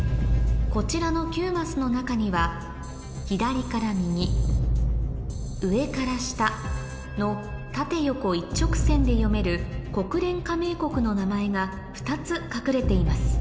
こちらの９マスの中には左から右上から下の縦横一直線で読める国連加盟国の名前が２つ隠れています